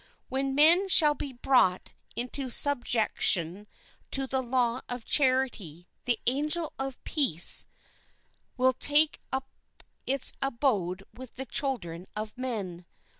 When men shall be brought into subjection to the law of charity the angel of peace will take up its abode with the children of men.